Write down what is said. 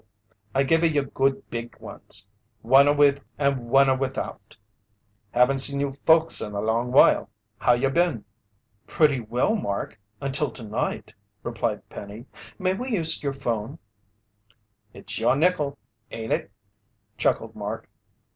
"I giva you good beeg ones. One a with, and one a without. Haven't seen you folks in a long while. How you been?" "Pretty well, Mark, until tonight," replied Penny. "May we use your phone?" "It's your nickel, ain't it?" chuckled Mark.